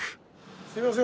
すいません